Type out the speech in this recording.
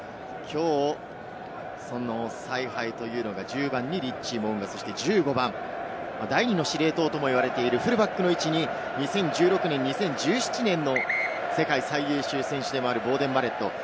きょう、その采配というのが１０番にリッチー・モウンガ、そして１５番、第２の司令塔といわれているフルバックの位置に２０１６年、２０１７年の世界最優秀選手でもあるボーデン・バレット。